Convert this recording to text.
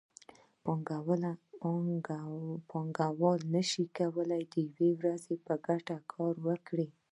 پانګوال نشي کولی د یوې ورځې په ګټه کار وکړي